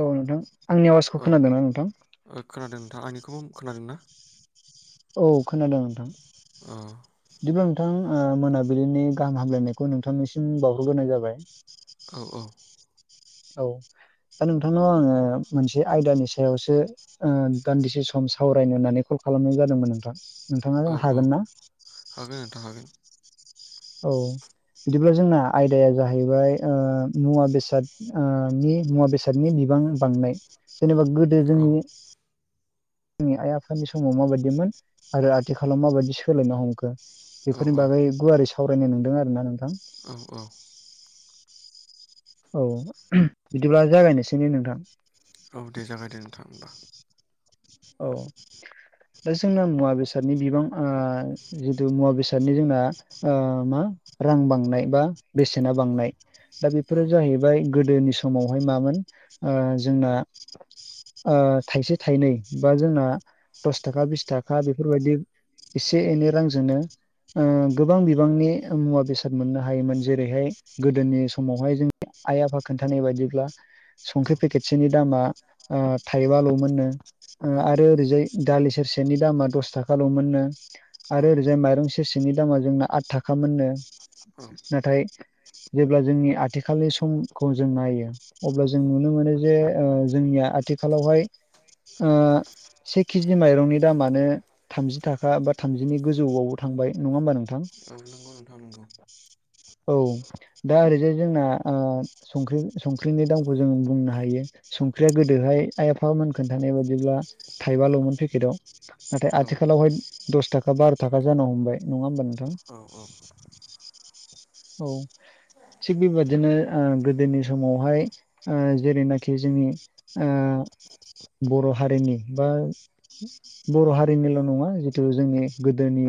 औ नोंथां आंनि औ आवाजखौ खोनादोंना नोंथां ओ खोनादों नोंथां आंनिखौबो खोनादों ना औ खोनादों नोंथां। अह बिदिब्ला नोंथां ओ मोनाबिलिनि गाहाम हामलायनायखौ नोंथांनिसिम बावहरग्रोनाय जाबाय औ औ। औ दा नोंथांनाव आङो मोनसे आयदानि सायावसो ओ दान्दिसे सम सावरायनो होननानै कल खालामनाय जादोंमोन नोंथां नोंथाङा औ जों औ हागोन ना? हागोन नोंथां हागोन। औ। बिदिब्ला जोंना आयदाया जाहैबाय ओ मुवा बेसाद ओ नि मुवा बेसाद बेसादनि बिबां बांनाय जेनेबा गोदो औ जोंनि जोंनि आइ आफानि समाव माबायदिमोन आरो आथिखालाव माबायदि सोलायनो हमदों। औ बेफोरनि औ बागै गुवारै सावरायनाय नोंदों आरो ना नोंथां। औ औ। औ बिदिब्ला जागायनोसै ने नोंथां। औ दे जागायदे नोंथां होमबा। औ। दा जोंना मुवा बेसादनि बिबां जिथु मुवा बेसादनि जोंना मा रां बांनाय बा बेसेना बांनाय दा औ बेफोरो जाहैबाय फ्राय गोदोनि समावहाय मामोन ओ जोंना थाइसे थाइनै बा जोंना दस थाखा बिस थाखा बेफोरबायदि एसे एनै रांजोंनो गोबां बिबांनि मुवा बेसाद मोननो हायोमोन जेरैहाय गोदोनि समावहाय जों आइ आफा खोन्थानाय बायदिब्ला औ संख्रि पेकेटसेनि दामा ओ थाइबाल'मोननो ओ आरो ओरैजाय दालि सेरसेेरनि दामा दस थाखाल'मोननो औ आरो ओरैजाय माइरं सेर सेरसेनि दामा जोंना आट थाखा मोननो औ नाथाय जेब्ला जोंनि आथिखालनि समखौ जों नायो अब्ला जों नुनो मोनो जे जोंनिया आथिखालावहाय ओ से केजि माइरंनि दामानो थामजि थाखा फ बा थामजिनि गोजौआवबो थांबाय नङा होमबा नोंथां? औ नंगौ नोंथां नंगौ औ दा ओरैजाय जोंना ओ संख संख्रिनि दामखौ जों बुंनो हायो संख्रिया गोदोहाय आइ आफा मोनखोन बायदिब्ला थाइबाल'मोन पेकेटआव नाथाय औ आथिखालावहाय दस थाखा बार' थाखा जानो हमबाय नङा होमबा नोंथां औ औ औ थिग बेबादिनो ओ गोदोनि समावहाय जेरैनाखि जोंनि ओ बर' हारिनि बा बर' हारिनिल' नङा जितु जोंनि गोदोनि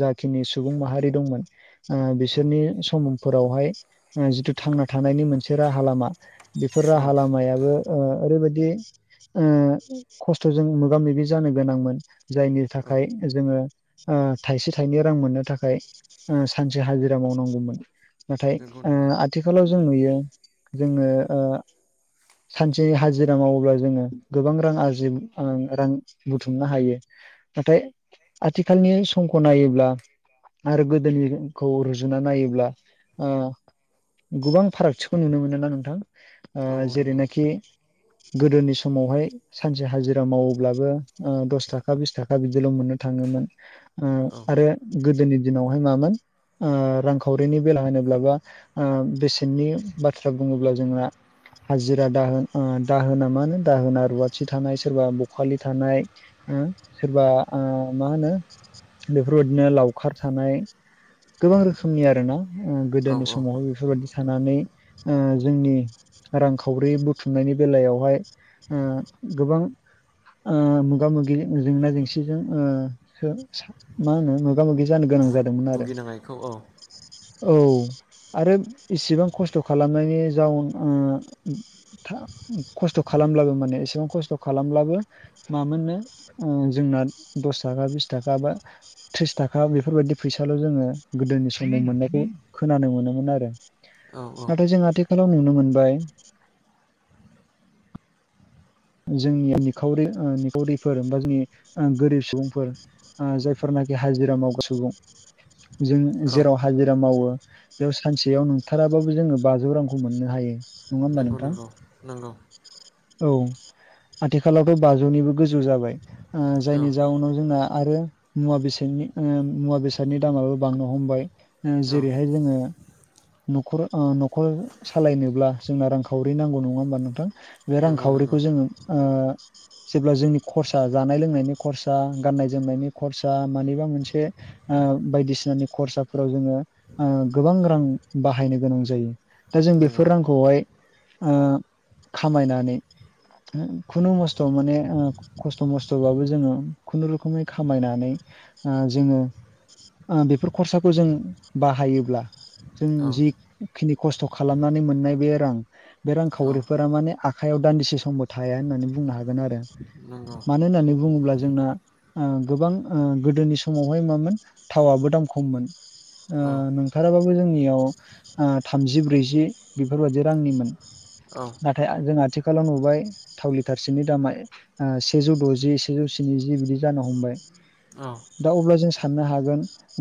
जाखिनि सुबुं माहारि दंमोन औ बिसोरनि समुंफोरावहाय जिथु थांना थानायनि मोनसे राहा लामा बेफोर राहा लामायाबो ओरैबायदि ओ खस्थ'जों मोगा मोगि जानो गोनांमोन जायनि थाखाय जोङो ओ थाइसे थाइनै रां मोननो थाखाय ओ सानसे हाजिरा मावनांगौमोन। नाथाय नंगौ ओ नंगौ आथ थिखालाव जों नुयो जोङो ओ सानसे हाजिरा मावोब्ला जोङो गोबां रां आरजि ओं रां बुथुमनो हायो। नाथाय आथिखालनि समखौ नायोब्ला आरो गोदोनिखौ रुजुना नायोब्ला ओ गोबां फारागथिखौ नुनो मोनोना नोंथां ओ औ औ नंगौ जेरैनाखि गोदोनि स समावहाय सानसे हाजिरा मावोब्लाबो ओ दस थाखा बिस थाखा बिदिल' मोननो थाङोमोन। उम औ आरो गोदोनि दिनावहाय मामोन ओ रांखावरिनि बेला होनोब्लाबा ओ बेसेननि बाथ्रा बुङोब्ला जोङा हाजिरा दाहोन ओ दाहोना मोन दाहोना रुवाथि थानाय सोरबा बखालि थानाय ओ सोरबा ओ मा होनो बेफोरबायदिनो लावखार थानाय गोबां रोखोमनि आरोना उम औ गोदोनि औ समावहाय बेफोरबादि थानानै ओ जोंनि रांखावरि बुथुमनायनि बेलायावहाय उम गोबां ओ मोगा मोगि जेंना जेंसिजों ओ सो मा होनो मोगा मोगि जानो गोनां जादोंमोन आरो। भुगिनांनायखौ औ औ आरो इसेबां खस्थ' खालामनायनि जाउन ओ था खस्थ' खालामब्लाबो माने एसेबां खस्थ' खालामब्लाबो मामोननो ओ जोंना दस थाखा बिस थाखा बा थ्रिस थाखा बेफोरबायदि फैसाल' जोङो गोदोनि समाव मोननायखौ खोनानो मोनोमोन आरो औ औ नाथाय जों आथिखालाव नुनो मोनबाय जोंनि निखावरि ओ निखावरिफोर बा जोंनि गोरिब सुबुंफोर ओ जायफोरनाखि हाजिरा मावगा सुबुं जों औ जेराव हाजिरा मावो बेयाव सानसेयाव नोंथाराबाबो जोङो बाजौ रांखौ मोननो हायो नङा होमबा नोंथां? नोंगौ नोंगौ। [inaudible] औ आथिखालावथ' बाजौनिबो गोजौ जाबाय ओ औ जायनि जाउनाव जोंना आरो मुवा बेसादनि ओ मुवा बेसादनि दामाबो बांनो हमबाय ओ औ जेरैहाय जोङो न'खर ओ न'खर सालायनोब्ला जोंना रांखावरि नांगौ नङा होमबा नोंथां? बे नंगौ नंगौ रांखावरिखौ जोङो ओ जेब्ला जोंनि खरसा जानाय लोंनायनि खरसा गाननाय जोमनायनि खरसा मानिबा मोनसे ओ बायदिसिनानि खरसाफोराव जोङो ओ गोबां रां बाहायनो गोनां जायो। दा जों नंगौ बेफोर रांखौहाय ओ खामायनानै हो खुनु मस्थ' माने खस्थ' मस्थ'बाबो जोङो खुनुरुखुमै खामायनानै ओ जोङो ओ बेफोर खरसाखौ जों बाहायोब्ला जों औ जिखिनि खस्थ' खालामनानै मोननाय बे रां बे औ रांखावरिफोरा माने आखायाव दान्दिसे समबो थाया होननानै बुंनो हागोन आरो। नंगौ मानो होननानै बुङोब्ला जोंना ओ गोबां ओ गोदोनि समावहाय मामोन थावाबबो दाम खममोन। ओ औ नोंथाराबाबो जोंनियाव ओ थामजि ब्रैजि बेफोरबादि रांनिमोन। औ थाय जों आथिखालाव नुबाय थाव लिटारसेनि दामा ओ सेजौ द'जि सेजौ स्निजि बिदि जानो हमबाय। औ दा अब्ला जों साननो हागोन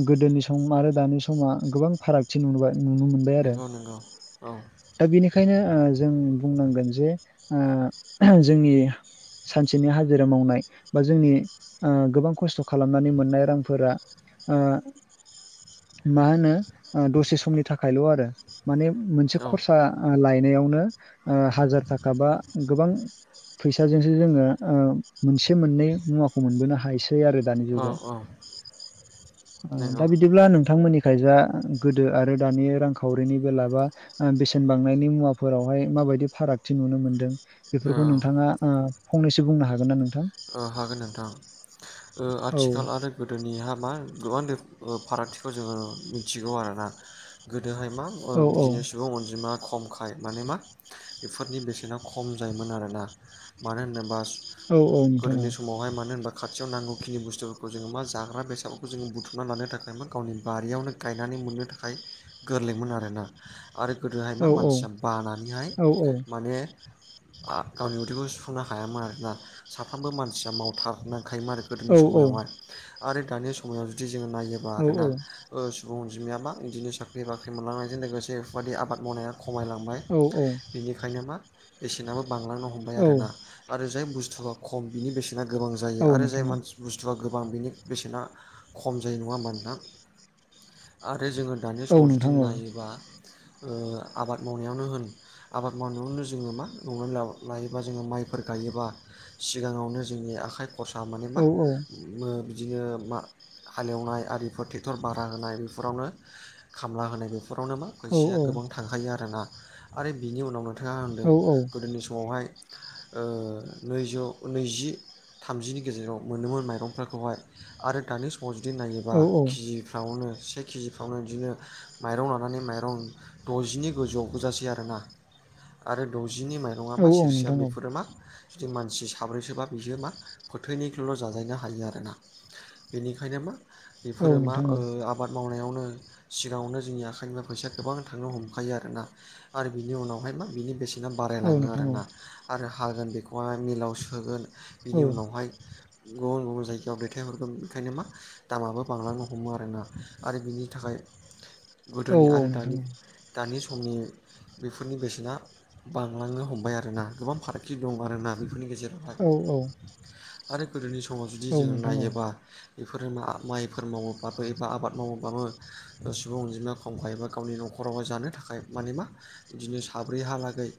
गोदोनि सम आरो दानि समा गोबां फाराग थि नुबाय नुनो मोनबाय आरो। नंगौ नंगौ औ दा बेनिखायनो ओ जों बुंनांगोन जे ओ जोंनि सानसेनि हाजिरा मावनाय बा जोंनि ओ गोबां खस्थ' खालामनानै मोननाय रांफोरा मा होनो ओ दसे समनि थाखायल' आरो। माने मोनसे औ खरसा लायनायावनो ओ हाजार थाखा बा गोबां फैसाजोंसो जोंङो ओ मोनसे मोननै सै आरो दानि औ जुगाव औ ओ दा नंगौ औ बिदिब्ला नोंथांमोननिखायजा गोदो आरो दानि रांखावरिनि बेला बा ओ बेसेन बांनायनि मुवाफोरावहाय माबायदि फाराग थि नुनो मोन्दों बेफोरखौ ओ नोंथांङा ओ फंनैसो बुंनो हागोन ना नोंथां? ओ हागोन नोंथां ओ औ आथिखाल आरो गोदो नि हाबा गोबां फारागथिखौ जोंङो मिथिगौ आरोना। गोदोहाय मा ओ औ बिदिनो सुबुं अनजिमा खमखाय माने मा बेफोरनि बेसेना खम जायोमोन आरोना मानो होनोबा औ औ नोंथां गोदोनि समावहाय मानो होनबा खाथ थियाव नांगौ खिनि बुस्थुफोरखौ जोंङो मा जाग्रा बेसादफोरखौ जोंङो बुथुमना लानो थाखाय मा गावनि बारियावनो गायनानै मोननो थाखाय गोरलैमोन आरोना। आरो गोदोहाय औ मा औ मानसिया बानानैहाय औ माने आ गावनि उदैखौ सुफुंनो हायामोन आरोना साफ्रोमबो मानसिया माव थाहमनांखायोमोन आरो गोदोनि औ समायावहाय आरो दानि समायाव जुदि जोंङो नायोबा औ आरोना ओ सुबुं अनजिमायायााबा बिदिनो साख्रि बाख्रि मोनलांनायजों लोगोसे बेफोरबायदि आबाद मावनाया खमायलांबाय औ बेनिखायनो मा बेसेनाबो बांलांनो हमबाय औ आरोना। आरो जाय बुस्थुआ खम बिनि बेसेना गोबां औ जायो नोंथां औ नोंथां औ नोंथां औ आरो नोंथां औ नोंथां औ जाय नोंथां औ औ मानसि बुस्थुआ गोबां बेनि बेसेना खम जायो नंङा होमबा नोंथां? आरो जोंङो औ दानि समाव जुदि नोंथां नायोबा ओ आबाद मावनायावनो होन आबाद मावनायावनो जोंङो मा न'आवनो लायोबा जोंङो माइफोर गायोबा सिगांङावनो जोंनि आखाइ खरसा माने मा मो बिदिनो मा हालेवनाय आरिफोर ट्रेक्टर भारा होनाय बेफोरावनो खामला होनाय बेफो फोरावनो मा फैसाया गोबां थांखायो आरोना आरो बिनि उनावनो था होनदों गोदोनि समावहाय ओ नैजौ नैजि थामजिनि गेजेराव मोनोमोन माइरंफोरखौहाय आरो दानि स पजिटिभ नायोबा केजिफ्रावनो से किजिफ्रावनो इदिनो माइरं लानानै माइरं द'जिनि गोजौआव गोजासै आरोना। आरो द'जिनि माइरंङा मा सेरसेया बेफोरो मा जुदि मानसि सा साब्रैसोबा बैयो मा फोथैनिखौल' जाजायनो हायो आरोना बेनिखायनो मा बेफोरो मा ओ बाद मावनायावनो सिगांङावनो जोंनि आखाइनिफ्राय फैसा गोबां थांनो हमखायो आरोना। आरो बिनि उनावहाय मा बिनि बेस इनो बारायलांङो आरोना आरो हागोन बेखौहाय मिलाव सोगोन बिनि उनावहाय गुबुन गुबुन जायगायाव दैथायहरगोन ओंखायनो मा दामाबो बांलांनो हमो आरोना आरो बिनि थाखाय गोदोनि आरो दानि दानि समनि बेफोरनि बेसेना बांलांनो हमबाय आरोना गोबां फारागथि दं आरोना बेफोरनि गेजेराव। औ औ आरो गोदोनि समाव जुदि जोंङो नायोबा बेफोर मा माइफोर मावोबाबो एबा आबाद मावोब्ला सुबुं अनजिमा दंखायोबा गावनि न'खरावहाय जानो थाखाय माने मा बिदिनो साब्रै हालागै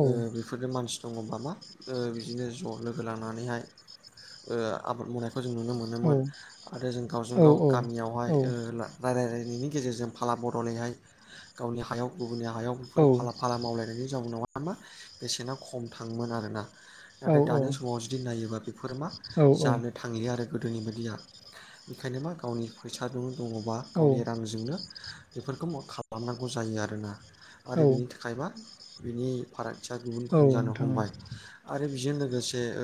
औ ओ बेफोरनो मानसि दंङ बा मा ओ बिदिनो ज' लोगो लानानैहाय ओ आबाद मावनाय खौ जों नुनो औ मोनोमोन आरो जों औ गावजों गाव औ गामियावहाय ओ रायलायलायनायनि गेजेरजों फाला बदलैहाय गावनि हायाव गुबुननि हायाव फोर फाला फाला मावलायनायनि जाउनावहाय मा बेसेना खम थांङोमोन आरोना। औ नाथाय दानि समाव जुदि नायोबा बेफोर मा औ जानो थांलिया आरो गोदोनि बादिया बेखायनो मा गावनि फैसाजों दङबा औ गावनि रांजोंनो बेफोरखौ खालामनांगौ जायो आरोना। औ आरो बिनि थाखायबा बिनि फारागथिया गुबुन औ गुबुन जानो नोंथां हमबाय आरो बेजों लोगोसे ओ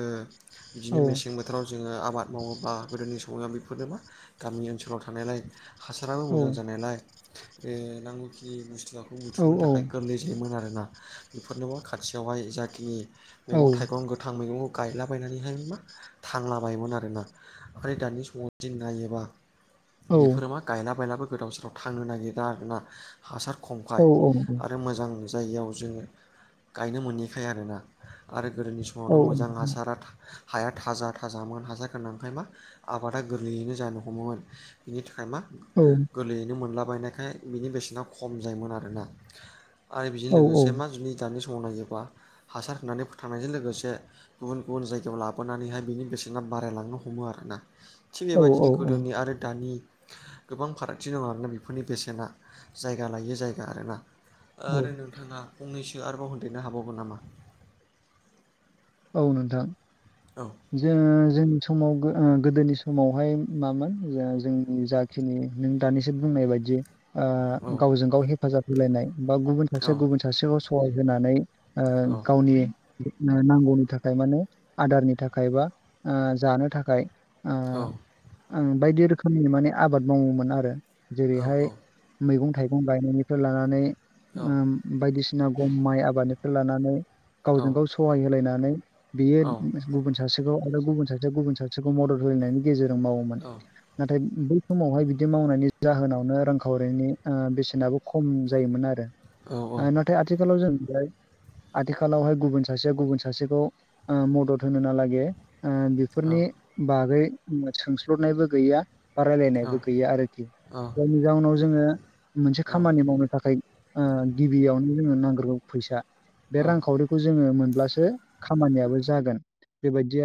औ इदिनो मेसें बो थोराव जोंङो आबाद मावोब्ला गोदोनि समाव बेफोरनो मा गामि ओनसोलाव थानायलाय हासाराबो औ मोजां जानायालाय नांगौखिनि मस्लाखौ औ बुथुमनो थाखाय गोरलै इदिनोमोन आरोना बेफोरनोबो खाथियावहाय जाखिनि औ मैगं थाय गं गोथां मैगं गायलाबायनानैहाय मा थांलाबायोमोन आरोना ओमफ्राय दानि समावदिन नायोबा औ बेफोरो मा गायला बायलाबो गोदाव सोराव थांनो नागिरा आरोना। हासार खमखाय आरो मोजां जायगायाव जोंङो गायनो मोनिखाय आरोना। आरो गोदोनि समावथ' मोजां हासारा हाया थाजा थाजामोन हासार गोनांखाय मा आबादा गोरलैयैनो जानो हमोमोन बिनि थाखाय मा औ गोरलैयैनो मोनलाबायनायखाय बिनि बेसेना खम जायोमोन आरोना। आरो बेजों लोगोसे मा जुदि दानि समाव नायोबा हासार होनानै थांनायजों लोगोसे गुबुन गुबुन जायगायाव लाबोनानैहाय बिनि बेसेना बारायलांनो हमो आरोना। थिग औ बेबायदिनो गोदोनि आरो दानि गोबां फारागथि दं आरोना बेफोरनि बेसेना जायगा लायो जायगा आरोना। ओ औ आरो नोंथाङा फंनैसो आरोबाव होनदेरनो हाबावगोन नामा। औ नोंथां औ जो जोंनि समाव गोदोनि समावहाय मामोन जोंनि जा खिनि नों दानिसो बुंनाय बायदियै ओ औ गावजों गाव हेफाजाब होलायनाय बा गुबुन औ सासे गुबुन सासेखौ सहाय होनानै ओ औ गावनि नांगौनि थाखाय माने आदारनि थाखाय खाय बा जानो थाखाय औ आं बायदि रोखोमनि माने आबाद मावोमोन आरो औ जेरैहाय मैगं थाइगं गायनायनिफ्राय लानानै औ अम बायदिसिना गम माइ आबादनिफोर लानानै औ गावजों गाव सहाय होलायनानै बेयो गुबुन सासेखौ आरो गुबुन सासेया गुबुन सासेखौ मदद होलायनायनि गेजेरजों मावोमोन। नाथाय बै समावहाय बिदि मावनायनि जाहोनावनो रांखावरिनि बेसेनाबो खम जायोमोन आरो। आरो नाथाय आथिखालाव जों जे आथिखालावहाय गुबुन सासेया गुबुन सासेखौ मदद होनो नाला गे बेफोरनि बागै सोंस्लबनायबो गैया। बा रायलायनायबो गैया आरोखि जायनि जाहोनाव जोंङो मोनसे औ खामानि मावनो थाखाय ओ गिबियावनो जोंङोनो नांग्रोगौ फैसा बे औ औ रांखावरि खौ जोंङो मोनब्लासो खामानियाबो जागोन बेबायदि आरो।